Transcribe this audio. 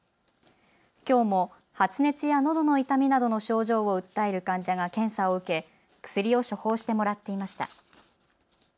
きょうも発熱やのどの痛みなどの症状を訴える患者が検査を受け薬を処方してもらっていました。